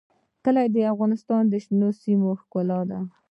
کلي د افغانستان د شنو سیمو ښکلا ده.